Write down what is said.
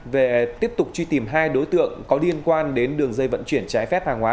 về tiếp tục truy tìm hai đối tượng có liên quan đến đường dây vận chuyển trái phép hàng hóa